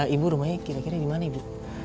ibu rumahnya kira kira dimana ibu